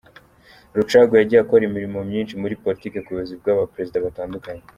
Rucagu yagiye akora imirimo myinshi muri Politiki ku buyobozi bw’aba Perezida batandukanye.